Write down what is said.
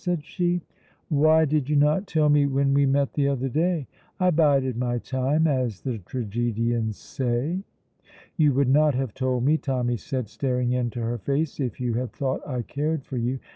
said she. "Why did you not tell me when we met the other day?" "I bided my time, as the tragedians say." "You would not have told me," Tommy said, staring into her face, "if you had thought I cared for you.